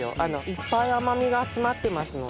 いっぱい甘みが詰まっていますので。